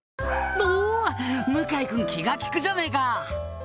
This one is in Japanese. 「お向井君気が利くじゃねえか」